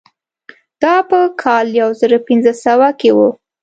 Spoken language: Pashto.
دا په کال یو زر پنځه سوه کې وه.